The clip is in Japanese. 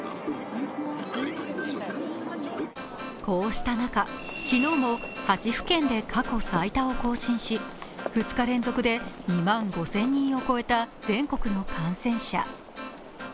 こうした中昨日も８府県で過去最多を更新し２日連続で２万５０００人を超えた全国の感染者。